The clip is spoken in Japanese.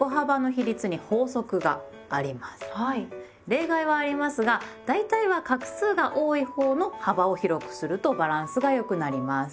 例外はありますが大体は画数が多いほうの幅を広くするとバランスが良くなります。